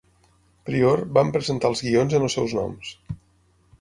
Prior, van presentar els guions en els seus noms.